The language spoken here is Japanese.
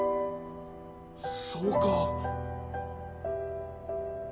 そうか。